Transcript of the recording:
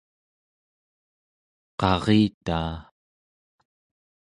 qaritaa